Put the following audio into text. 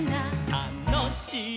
「たのしい！」